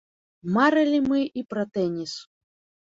Марылі мы і пра тэніс.